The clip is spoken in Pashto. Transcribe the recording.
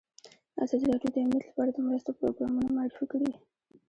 ازادي راډیو د امنیت لپاره د مرستو پروګرامونه معرفي کړي.